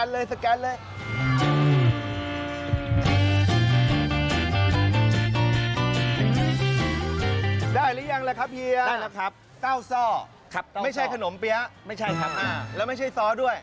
ได้หรือยังล่ะครับเฮียต้าวซ่อครับไม่ใช่ขนมเปี๊ยะไม่ใช่ครับแล้วไม่ใช่ซ้อด้วย